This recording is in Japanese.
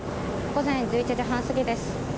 午前１１時半過ぎです。